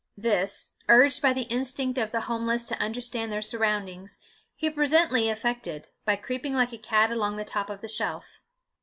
This, urged by the instinct of the homeless to understand their surroundings, he presently effected, by creeping like a cat along the top shelf.